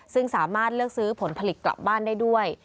ซึ่งสามารถเลือกซื้อผลผลิตกลับบ้านได้ด้วย